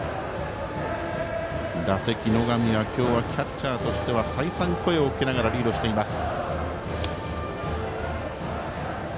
打席、野上は今日はキャッチャーとしては再三、声をかけながらリードしています。